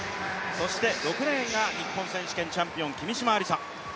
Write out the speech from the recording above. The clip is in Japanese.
そして６レーンが日本選手権チャンピオン、君嶋愛梨沙。